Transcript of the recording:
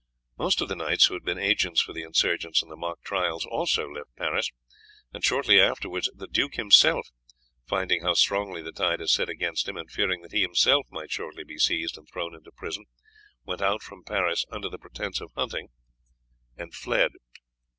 Most of the knights who had been agents for the insurgents in the mock trials also left Paris, and shortly afterwards the duke himself, finding how strongly the tide had set against him, and fearing that he himself might shortly be seized and thrown into prison, went out from Paris under the pretence of hunting, and fled.